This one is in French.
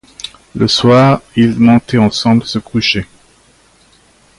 Le soir, ils montaient ensemble se coucher.